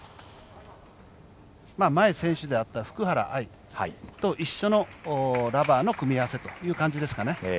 前、選手だった福原愛と一緒のラバーの組み合わせという感じですね。